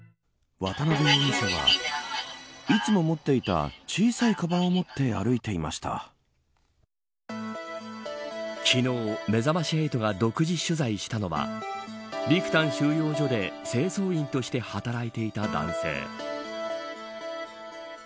渡辺容疑者はいつも持っていた昨日めざまし８が独自取材したのはビクタン収容所で清掃員として働いていた男性。